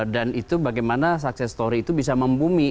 dan itu bagaimana success story itu bisa membumi